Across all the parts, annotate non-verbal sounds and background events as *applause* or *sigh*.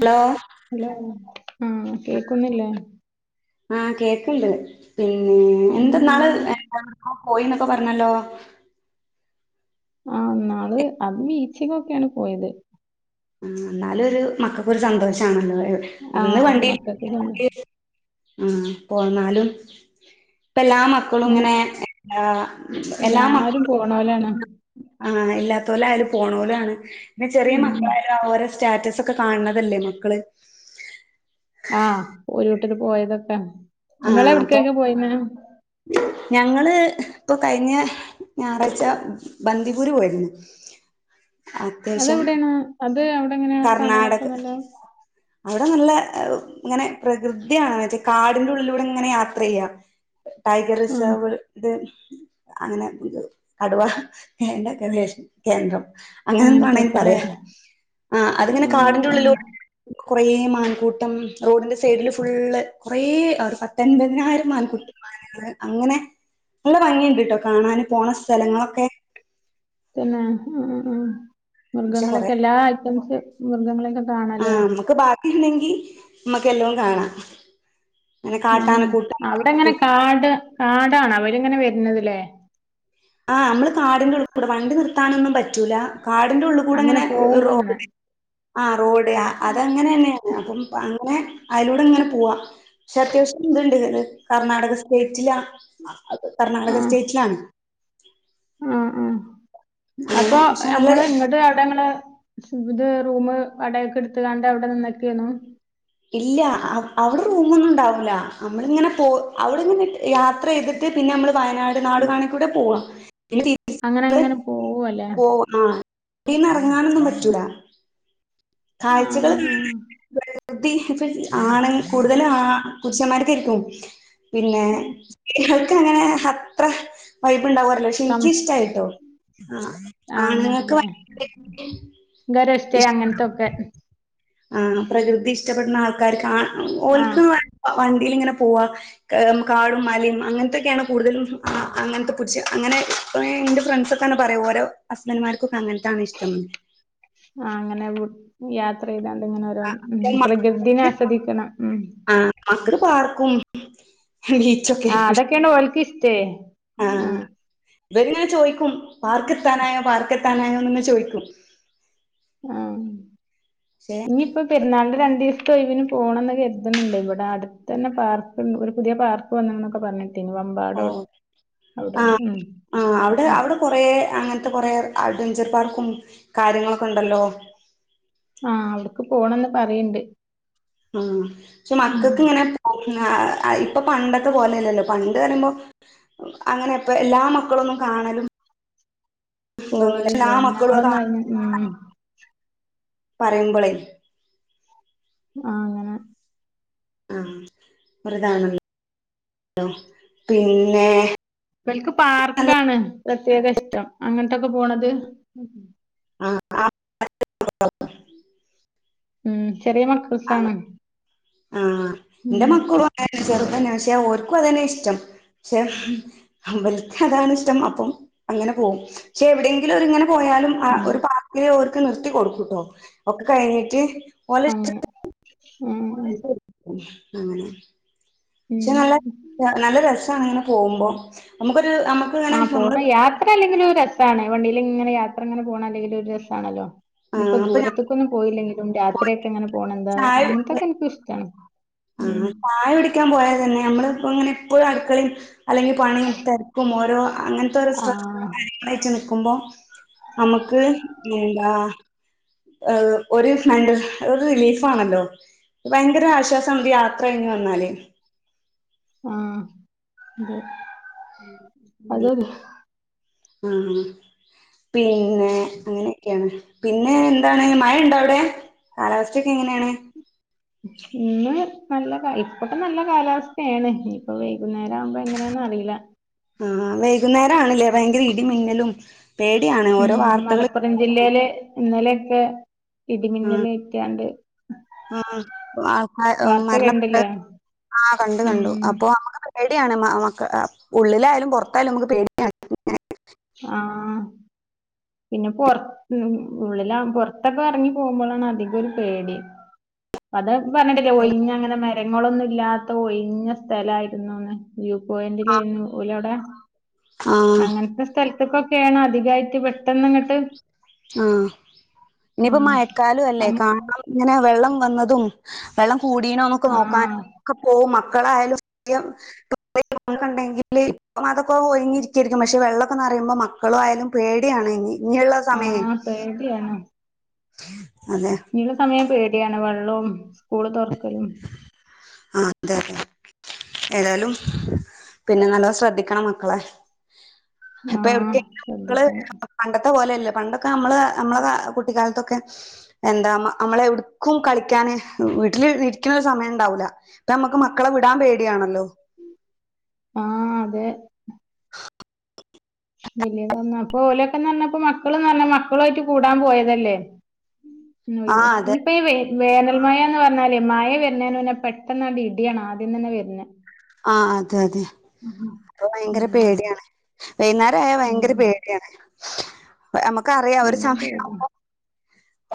Hello hello ആ കേക്കുന്നില്ലേ? ആ കേക്ക്ണ്ട് പിന്നെ എന്തെന്നാള് ഉം ബാംഗ്ലൂര്ക്ക് പോയിന്നൊക്കെ പറഞ്ഞല്ലോ ആ നാള് എ- അത് ബീച്ച് ക്കൊക്കെയാണ് പോയത് ആ എന്നാലും ഒരു മക്കൾക്കൊ ഒരു സന്തോഷമാണല്ലോ ഇന്ന് ആഹ് വണ്ടി മക്കൾക്ക് കൊണ്ട് ആ പോന്നാലും ഇപ്പ എല്ലാ മക്കളും ഇല്ല ഇങ്ങനെ എ എല്ലാ എല്ലാരും മക്കളും പോണോലാണ് ആഹ് ഇല്ലാത്ത പോലും ആയാലും പോണ പോലും ആണ് പിന്നെ ചെറിയ മ ഉം ഓരോ സ്റ്റാറ്റസ് ഒക്കെ കാണണതല്ലേ മക്കള് ആഹ് ഒരു കൂട്ടർ പോയതൊക്കാ ആ നിങ്ങള അപ്പൊ എവിടക്കൊക്കെ പോയിന്ന ഞങ്ങള് ഇപ്പൊ കഴിഞ്ഞ ഞായറാഴ്ച്ച ബന്ദിപൂര് പോയിരുന്നു അത്യാവശ്യം അതെവിടെയാണ് അത് അവിടെ എങ്ങനെയാ കർണാടക കാണാൻൊക്കുന്നുണ്ടോ അവിടെ നല്ല ഇങ്ങനെ പ്രകൃതിയാണ് മറ്റേ കാടിന്റെ ഉള്ളിലൂടെ ഇങ്ങനെ യാത്ര ചെയ്യാം ടൈഗർ ആഹ് റിസർവ് ഇത് അങ്ങനെ കടുവന്റെെേഷ കേന്ദ്രം അങ്ങനെ എന്ത വണന് അങ്ങനത്തൊക്കെല്ലേ പറയാ ആ അത്ങ്ങനെ ആഹ് കാടിന്റെറ ഉള്ളിലോ ആഹ് കുറെ മൻകൂട്ടം റോഡിന്റെ സൈഡില് ഫുള്ള് കുറേ പത്തൻപതിനാറ് ആൾക്കുട്ടിമാരാണ് അങ്ങനെ നല്ല ഭംഗിയുണ്ട് ക കേട്ടോ കാണാൻ പോണ സ്ഥലങ്ങളൊക്കെ പിന്നെ പക്ഷെ കൊറേ മൃഗങ്ങളൊക്കെല്ല എല്ലാ ഐറ്റംസ് മൃഗങ്ങളെയക്കെ ആഹ നമ്മുക്ക് ബാക്കി ഉണ്ടെങ്കി നമ്മക്ക് എല്ലാം കാണാം അങ്ങനെ ഉം അവിടെങ്ങനെ കാട്ടാനക്കൂട്ടം കാട് കാടാണ് അവരിങ്ങനെ വരുന്നത്ല്ലേ ആഹ് നമ്മള് കാടിന്റെ ഉള്ളിൽ കൂടെ വണ്ടി നിർത്താനൊന്നും പറ്റൂല കാടിന്റെ ഉള്ള കൂടെ അങ്ങനെ പോകുമ്പോ എങ്ങനെറോഡ് ഇങ്ങനെ ആ റോഡ ആ അത അങ്ങനെ തന്നെയാണ് അപ്പം അങ്ങനെ അതിലൂടെ ഇങ്ങനെ പോവാ പക്ഷെ അത്യാവശ്യം ഇതുണ്ട് കർണ്ണാടക സ്റ്റേറ്റില കർണാടക ആഹ് സ്റ്റേറ്റിലാണ് ഉ ആ ഉ അപ്പൊ പക്ഷെ നല്ല നമ്മള് ഇങ്ങട്ട് അവിടങ്ങള് ഇത് റൂമ് വാടകക്ക് എടുത്തുകാണ്ട് അവിടെ നിന്നൊക്കെയു ഇല്ല അവിടെ റൂമൊന്നും ഉണ്ടാവില്ല നമ്മളിങ്ങനെ പോ അവിടെ ഇങ്ങനെ യാത്ര ചെയ്തിട്ട് ട്ട് പിന്നെ നമ്മള് വയനാട് നാടു കാണിക്കൂടെ പോവാ പിന്നെ തി അങ്ങനെ അങ്ങനെ പോവല്ലേ പോ ആഹ പിന്ന ഇറങ്ങാനൊന്നും പറ്റൂല ആ ആ കാഴ്ചകൾ ആ പ്രകൃതി ആണ് കൂടുതല് ആ പുരുഷൻ മാർക്കെക്കും പിന്നെ നിൻക്കങ്ങനെ അത്ര വൈ്പ്ണ്ടാ വോറീറല പക്ഷെ കം ഇൻക്കിഷ്ടായിട്ടോ ആഹ ആ ആണുങ്ങൾക്ക് അങ്ങനല്ലേ ഭയങ്കരായിട്ട് ഗരോ സ്റ്റേ ഇഷ്ട അങ്ങനത്തൊക്കെ ആഹ പ്രകൃതി ഇഷ്ടപ്പെടുന്ന ആൾക്കാർക്ക് ആഹ ആ ഓൽക്ക് വണ്ടീല് ഇങ്ങനെ പോവാ കാടും മലയും അങ്ങനത്തൊക്കെയാണ് കൂടുതലും അങ്ങനത്തെ പുരുഷ അങ്ങനെ പ്പം ഇന്റെ ഫ്രണ്ട്സ് ഒക്കെന്നെ പറയും ഓരെ ഹസ്ബന്റ്മാർക്കൊക്കെ അങ്ങൻത്താണ് ഇഷ്ടംന്ന് ആഹ അങ്ങനെ യാത്ര ചെയ്താണ്ട് ഇങ്ങനെ ഓരോന്ന് ഉം പ്രകൃതിനെ ആസ്വദിക്കണം ഉം ആഹ മക്കള്ക്ക് പാർക്കും ബീച്ചൊക്കെ ആഹ ആയിരിക്കും ഇഷ് അതൊക്ക്യാണ് ഓൽക്കിശ്‌ടേ ആ അഹ ഇവരിങ്ങനെ ചോയ്ക്കും പാർക്കെത്താനായോ പാർക്കെത്താനായോന്ന് ങ്ങനെ ചോദിക്കും ആഹ പക്ഷെ ഇഞ്ഞ്പ്പം പെരുന്നാളിൻ്റെ രണ്ടീസം സൊയ്വ്ന് പോണംന്നൊക്കെ കര്ത്ണ് ണ്ട്. ഇവടെ അടുത്തന്നെ പാർക്ക്ണ്ട് ഒരു പുതിയ പാർക്ക് വന്ന്ണ്ന്നൊക്കെ പറഞ്ഞേട്ടീനി. വ ഓ മ്പാടോ അവുടോന്ന് ഉം അഹ് പ്പം കൊറേ അങ്ങൻത്തെ കൊറേ അഡ്വെഞ്ചർ പാർക്കും കാര്യങ്ങളൊക്കെ ണ്ടല്ലോ. ആഹ് അവുട്ക്ക് പോണംന്ന് പറയ്ണ്ട്. ഊം. പക്ഷെ മക്കക്ക് ഇങ്ങനെ ഹാ ഇപ്പം പണ്ടത്തെ പോലെല്ലല്ലോ പണ്ട് പറിമ്പം അങ്ങനെ പ്പ എല്ലാ മക്കളൊന്നും കാണലും ഇതൊന്നുല്ല എല്ലാ പോവലുല്ലേനു മക്കളും അത് ഞങ്ങളൊന്നും കാണും ആയ്നന്ന് ഊം പറിമ്പളെ ആഹ് അങ്ങനെ ആഹ് അപ്പൊര്താണല്ലോ പിന്നെ ഇവൽക്ക് പാർക്കാണ് പ്രത്യേക ഇഷ്ടം. അങ്ങട്ടൊക്കെ പോണത്. ആഹ് *unintelligible* ഉം ചെറിയ ആ മക്കൾസാണ്. ആഹ് ഉം ഇന്റെ മക്കളും അങ്ങനെന്നെ ചെറ്തെന്നെ പക്ഷെ ഓര്ക്കും അതന്നെ ഇഷ്ടം. പക്ഷെ ഇബൽക്കതാണ് ഇഷ്ടം അപ്പം അങ്ങനെ പോവും. പക്ഷെ എവിടെങ്കിലും ഓരിങ്ങനെ പോയാലും ആ ഉം ഒരു പാർ ക്കില് ഓര്ക്ക് നിർത്തി കൊടുക്കൂട്ടോ ഒക്കെ കഴിഞ്ഞിട്ട്. ഓലെ അങ്ങനെ ഉം ഉം. അങ്ങനെ. ഉം പക്ഷെ *unintelligible* നല്ല നല്ല രസാണങ്ങനെ പോവുമ്പം. ഞമ്മക്കൊരു അമ്മ ആഹ് പോണം. യാത്ര അല്ലെങ്കിലും ഒരു രസ് സാണ് വണ്ടീലിങ്ങനെ യാത്രങ്ങനെ പോണത് അല്ലെങ്കിലും ഒരു രസാണല്ലോ. ഇഞ്ഞ് ആഹ് പ്പം അപ്പൊ ഞാൻ ദൂരത്ത് കൊന്നും പോയില്ലെങ്കിലും രാത്രിയൊക്കെ ഇങ്ങനെ പോണ എന്താ ചായ അങ്ങൻത്തൊക്കെ ഇൻക്കും ഇഷ്ടാണ്. ഉം ആഹ് ചായ കുടിയ്ക്കാൻ പോയാ തന്നെ നമ്മളിപ്പങ്ങനെ എപ്പഴും അടുക്കളിം അല്ലെങ്കി പണിം തെര്ക്കും ഓരോ അങ്ങൻത്തെ ഓരോ ആ സ്‌ട്രസും കാര്യ ങ്ങളായിട്ട് നിക്കുമ്പം നമ്മക്ക് എന്താ ഏഹ് ഒരു എന്ത ഒരു റിലീഫ് ആണല്ലോ. ഭയങ്കര ആശ്വാസാ നമ്മക്ക് യാത്ര കയ്ഞ്ഞ് വന്നാല്. ആഹ് അതെ. ഉം അതതെ ആഹ് പി പിന്നെ അങ്ങനൊക്കേണ്. പിന്നെ എന്താണ്, മഴ ണ്ടൊ അവ്ടെ? കാലാവസ്ഥൊക്കെ എങ്ങനേണ്? ഇന്ന് നല്ല കാല ഇപ്പൊക്കെ നല്ല കാലാവസ്ഥേണ്. ഇഞ്പ്പം വൈകുന്നേരം ആവുമ്പം എങ്ങനാന്ന് അറീല. ആഹ് വൈകുന്നേരാണ് ലെ ഭയങ്കര ഇടിംമിന്നലും പേടിയാണ് ഓരോ ഉം വാർത്തകള് മലപ്പുറം ജില്ലേല് ഇന്നലൊക്കെ ആഹ് ഇടിമിന്നലേറ്റാണ്ട്, ആഹ് ആൾക്കാ വാർത്തേ മരണപ്പെട്ട കണ്ടിലേ? ആഹ് കണ്ടു കണ്ടു അപ്പൊ നമുക്ക് പേടിയാണ് മ മക്ക ഉള്ളിലായാലും പുറത്തായാലും നമുക്ക് പേടിയാണ്. ആഹ് പിന്നെ പൊർ ലും ഉള്ളിലാവു പൊർത്തൊക്കെ എറങ്ങി പോകുമ്പോളാണ് അധികൊര് പേടി. അത് പർഞ്ഞേട്ടിലേ, ഒഴിഞ്ഞ അങ്ങനെ മരങ്ങളൊന്നും ഇല്ലാത്ത ഒഴിഞ്ഞ സ്ഥലായിരുന്നൂന്ന്. വ്യൂ ആഹ് പോയിന്റിലേനു. ഓലവിട ആഹ് അങ്ങൻത്തെ സ്ഥലത്ത്ക്കൊക്കേണ് അധികായിട്ട് പെട്ടെന്ന് ഇങ്ങട്ട് ആഹ് ഇഞ്ഞിപ്പ മഴക്കാലും അല്ലേ അങ് കാണാൻ ഇങ്ങനെ വെള്ളം വന്നതും വെള്ളം കൂടീണോന്നൊക്കെ നോക്കാൻ ആഹ് ഒക്കെ പോവും മക്കളായാലും *unintelligible* *unintelligible* ഉണ്ടെങ്കില് ഇപ്പം അതൊക്കെ ഒഴിഞ്ഞിരിക്കേര്ക്കും പക്ഷെ വെള്ളക്കെ നറയുമ്പം മക്കളു ആയാലും പേടിയാണ് ഇഞ് ഇഞ്ഞ്ള്ളത് ആഹ് പേടിയാണ്. അതെ *unintelligible* സമയം പേടിയാണ് വെള്ളവും സ്കൂള് തുറക്കലും അതെ ഏതായാലും പിന്നെ നല്ലോം ശ്രദ്ധിക്കണം മക്കളെ ഇപ്പൊ ആഹ് എവിടക്കേലും ഇങ്ങള് ശ്രദ്ധിക്കണം പണ്ടത്തെ പോലെയല്ല പണ്ടൊക്കെ നമ്മള് നമ്മളെ കുട്ടിക്കാലത്തൊക്കെ എന്താ നമ്മളെ എവിട്ക്കും കളിക്കാന് വീട്ടില് ഇരിക്കുന്നൊരു സമയം ണ്ടാവൂല ഇപ്പ നമ്മുക്ക് മക്കളെ വിടാൻ പേടിയാണല്ലോ ആഹ് അതെ *inaudible* വലിയ തന്ന അപ്പൊ ഓലൊക്കന്ന് പറഞ്ഞപ്പ മക്കളും പറഞ്ഞ മക്കളു ആയിട്ട് കൂടാൻ പോയതല്ലേ ആ ഒഴിവ് അതെ ഇനിപ്പ വേ വേനൽമയന്ന് പറഞാല് മഴ വരുന്നേ മുന്നെ പെട്ടെന്ന് അങ് ഇടിയാണ് ആദ്യം തന്നെ വരുന്നേ ആഹ് അതെ അതെ അപ്പൊ ഭയങ്കര പേടിയാണ്. വൈന്നേരം ആയാ ഉം ഭയങ്കര പേടിയാണ് നമുക്ക് അറിയാ ഒരു ഭയങ്കര സമയം പേടിയാ ആവുമ്പോ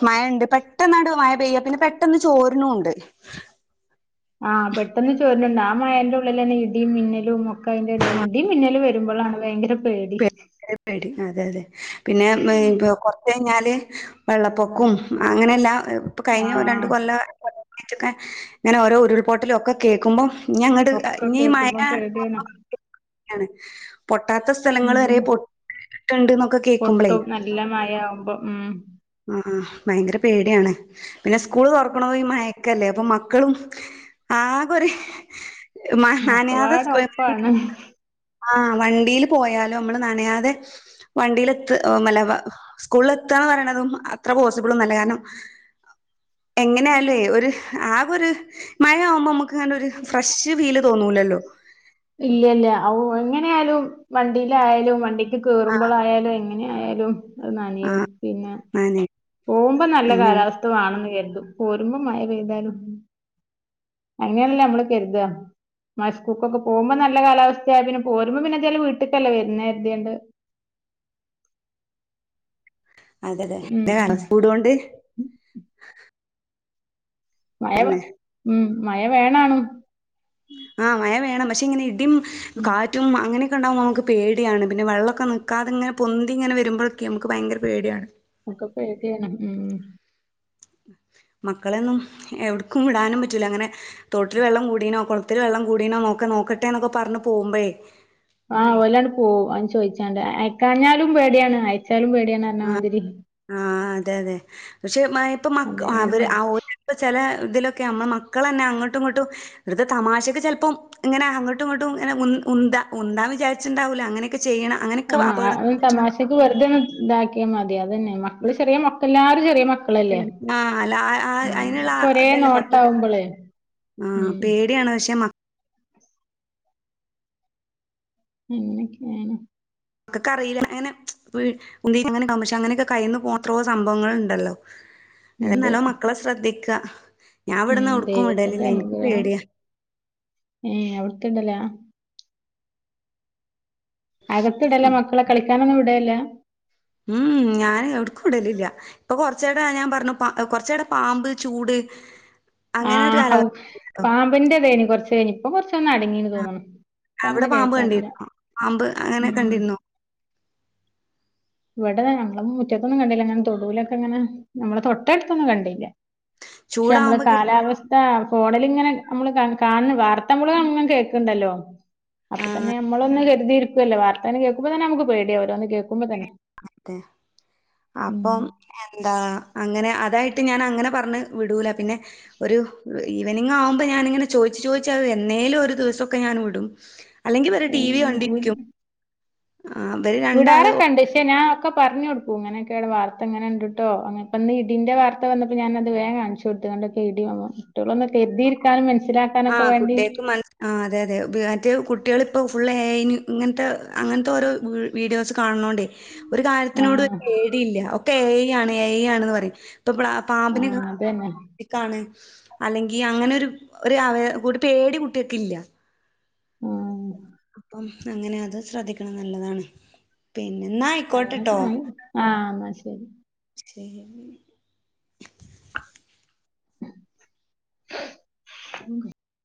മഴണ്ട് പെട്ടെന്നഅങ്ങട്ട് മഴ പെയ്യ പിന്നെ പെട്ടെന്ന് ചോരിനും ഉണ്ട്. ആഹ് പെട്ടെന്ന് ചോരുണുണ്ട് ആ മഴന്റെ ഉള്ളിലെന്നെ ഇടിയും മിന്നലുംഒ അയിന്റെടിയിൽ ഇടിം മിന്നല് വരുമ്പോഴാണ് ഭയങ്കര പേടി ടി അതെ അതെ പിന്നെ ഇപൊ കൊറച്ചഴിഞ്ഞാല് വെള്ളപ്പൊക്കും അങ്ങനെല്ലാ ഇപ്പ കഴിഞ്ഞ രണ്ട് ആഹ് കൊല്ല *unintelligible* ഇങ്ങനെ ഓരോ ഉരുൾപൊട്ടലും ഒക്കെ കേൾക്കുമ്പോ ഇഞ്ഞിങ്ങട് ഒക്കെ ഇനി ഈ മഴ കേൾക്കുമ്പോ പേടിയാണ് *unintelligible* പൊട്ടാത്ത സ്ഥലങ്ങൾ ഉം വരെ പൊട്ടുണ്ട് എന്നൊക്കെ കേക്കുമ്പോളേ പൊട്ടും നല്ല മഴ ആവുമ്പോ ഉം. ആ ഭയങ്കര പേടിയാണ് പിന്നെ സ്കൂള് തുറക്കണതും മയക്കല്ലേ അപ്പൊ മക്കളും ആകൊര് ഒക്കെപ്പാടെ ഒപ്പാണ്. ആഹ് വണ്ടീല് പോയാലും നമ്മള് നനയാതെ വണ്ടിൽ എത്ത് മലവ സ്കൂളിൽ എത്താന്ന് പറയണതും അത്ര പോസിബിൾഒന്നല്ല കാരണം എങ്ങനെയാലും ഒരു ആ ഒരു മഴ ആവുമ്പോ നമുക്ക് ഒരു ഫ്രഷ് ഫീൽ തോന്നൂലല്ലോ ഇല്ലല്ല ഔ എങ്ങനെയാലും വണ്ടിയിലായാലും വണ്ടിക്ക് കേയറുമ്പോളായാലും എങ്ങനെ ആയാലും അത് നനയും ആഹ് പിന്നെ നനെ പോകുമ്പോ നല്ല അങ്ങനെ കാലാവസ്ഥ വാ ണെന്ന് കരുതും പോരുമ്പോ മഴ പെയ്താലും അങ്ങനെല്ലെ നമ്മള് കരുതാ മസ്കൂക്കൊക്കെ പോകുമ്പോ നല്ല കാലാവസ്ഥയായി പിന്നെ പോരുമ്പോ പിന്നെ വീട്ടിക്കല്ലേ വരുന്നത് കരുതിങ്ങാണ്ട് അതെ അതെ ഉം *unintelligible* സ്പീടൊണ്ട് മഴ പിന്നെ ഉം മഴ വേണാണും ആഹ് മഴ വേണം പക്ഷെ ഇങ്ങനെ ഇടിം കാറ്റ് റ്റും അങ്ങനൊക്കെണ്ടാുമ്പൾ നമുക്ക് പേടിയാണ് പിന്നെ വെ ള്ളൊക്കെ നിക്കതെങ്ങനെ പൊന്തിങ്ങനെ വരുമ്പോഴൊക്കെ നമുക്ക് ഭയങ്കര പേടിയാണ്. ഒക്ക പേടയാണ് ഉം. മക്കളൊന്നും എവിടക്കും വിടാനും പറ്റില്ല അങ്ങനെ തോട്ടിൽ വെള്ളം കൂടീനോ കുളത്തില് വെള്ളം കൂടീനോ എന്നോക്കെ നോക്ക നോക്കട്ടെന്നൊക്കെ പറഞ്ഞു പോകുമ്പേളെ ആഹ് ഓലന്ണ്ട് പോകും ആര് ചോദിച്ചാതെ അയക്കാഞ്ഞാലും പേടിയാണ് അയച്ചാലും പേടിയാണ് ആ പറഞ്ഞമാതിരി ആ അതെ അതെ പക്ഷെ ഇപ്പ മ അതെ അവര് ഇപ്പ ചില ഇതിലൊക്കെ നമ്മൾ മക്കൾ തന്നെ അങ്ങോട്ടും ഇങ്ങോട്ടും ഇവിടുത്തെ തമാശക്ക് ചിലപ്പോം ഇങ്ങനെ അങ്ങോട്ടും ഇങ്ങോട്ടും ഇങ്ങനെ ഉന്താ ഉനതന്ന് വിചാരിച്ചിുണ്ടാവൂലോ അങ്ങനെയൊക്കെ ചെയ്യണം അങ്ങനെയൊക്കെ അപകടങ്ങൾ ആഹ തമാശക്ക് വെറുതെന്ന ഇതാക്കിയാൽ മതി അതന്നെ മക്കള് ചെറിയ മക്കൾ എല്ലാരും ചെറിയ മക്കളല്ലേ ആഹ് അല്ല ആ- ഉ ആ- അതിനുള്ള ഒക്കെ ഒരേ നോട്ട ആാവുമ്പോള് ആഹ പേടിയാണ് പക്ഷേ മ എന്നൊക്കെയാണ് അവർക്ക് അറിയില്ല അങ്ങനെ ഉന്തി അങ്ങനൊവ പക്ഷെ അങ്ങനെക്കെ കയിന്ന് പോന്ന എത്രയോ സംഭവങ്ങളൾ ഉണ്ടല്ലോ അത ഇണ്ട് നല്ലോ മക്കളെ ശ്രദ്ധിക്കുക ഞാൻ ഉം ഇവിടന്ന് എവിടേക്കും വി ദൈവത്തിന്റെ ടലല്ലേ എനിക്ക് പേടിയാ ഏ അവിടുത്ത ഇണ്ടല്ലേ അകത്തി ഇടല്ല മക്കളെ കളിക്കാനൊന്നും വിടല്ല ഉം ഞാൻ എവിടക്കും ഇടലില്ല ഇപ്പൊ കുറച്ചടെ ഞാൻ പറഞ്ഞു പ കുറച്ചടെ പാമ്പ് ചൂട് അങ്ങനെ ഒരു ആഹ കാലാവസ്ഥ പാമ്പിന്റെതേനി കൊറച്ചനി ഇപ്പ കൊറച്ചൊന്ന് അടങ്ങുന്ന തോന്നണം ഇപ്പൊ അങ്ങനെ അവിടെ പാമ്പ് കേക്കാറില്ല കണ്ടിരുന്നോ പാമ്പ് അങ്ങനെ കണ്ടിരുന്നോ ഇവിടെ ഞങ്ങടെ മുറ്റത്തൊന്നും കണ്ടില്ല അങ്ങനെ തൊടുവിലൊക്കെ ഇങ്ങനെ നമ്മളെ തൊട്ടടുത്തൊന്നും കണ്ടില്ലേ പക്ഷെ നമ്മള ചൂടാവുമ്പോ കേ കാലാവസ്ഥ ആ ഫോണിലിങ്ങനെ നമ്മള് കാണ വാർത്ത മ്മള് അങ്ങും കേക്കണു ണ്ടല്ലോ ആ അപ്പൊ തന്നെ നമ്മൊളൊന്നും കരുതിയിരിക്കുവല്ലോ വാർത്ത കേക്കുമ്പോ തന്നെ നമുക്ക് പേടിിയ ഓരോന്ന് കേൾക്കുമ്പോ തന്നെ അതെ ഉം അപ്പം എന്താ അങ്ങനെ അതായിട്ട് മ് ഞാൻ അങ്ങനെ പറഞ് വിടൂല പിന്നെ ഒരു ഈവനിങ് ആകുമ്പോൾ ഞാാനിങ്ങനെ ചോദിച്ചു ചോദിച്ചാത് എന്നേലും ഒരു ദിവസമൊക്കെ ഞാൻ വിടും അല്ലെങ്കിൽ വറെ ടി വി ഏഹ് കണ്ടിക്കും ആ ഇവര് വിടാറ് രണ്ടാള് ഒക്ക് ഉണ്ട പക്ഷേ ഞൻനാ പറഞ്ഞ കൊടുക്കു ഇങ്ങനെയക്ക ഉള്ള വാർത്ത എങ്ങനെ ഉണ്ടട്ടോ അ ഇന്ന് ഇടിന്റെ വാർത്ത വന്നപ്പോ ഞാനത് വേഗ കാണിച്ചു ടുത്തൊണ്ടൊക്കെ ഇടി കുട്ടികളൊന്നൊക്ക കരുതിയിരിക്കാനും മനസ്സിലാക്കാനൊക്കെ വേണ്ടി ആ അതെ അതെ മറ്റ് കുട്ടികളിപ്പോൾ ഫുൾ ഏന് ഇങ്ങനത്തെ അങ്ങനത്തെ ഓരോ ഗൂഗിൾ വീഡിയോസ് കാണണോൻറെ ഒരു കാര്യത്തിനോട് ആഹ് പേടി ഇല്ല ഒക്കെ എ ഐ ആണ് എ ഐ ആണന്ന് പറയും ഇപ്പൊ പാമ്പിന് ആഹ് അതന്നെ ഏക് കണൂ അല്ലെങ്കിൽ അങ്ങനെ ഒരു പേടി കുട്ടിയൊക്കെ ഇല്ല ഉം അപ്പം അങ്ങനെ അത് ശ്രദ്ധിക്കണം നുള്ളതാണ് പിന്നെ ആയിക്കോട്ടെട്ടോ അങ്ങനൊക്കെ ആ എന്നാ ശരി ശരി *inaudible*